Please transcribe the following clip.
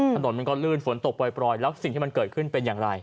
ถนนมันก็ลื่นฝนตกปล่อยแล้วสิ่งที่มันเกิดขึ้นเป็นอย่างไร